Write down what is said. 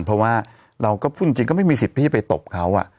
เพราะว่าเราก็พูดจริงก็ไม่มีสิทธิ์ที่จะไปตบเขา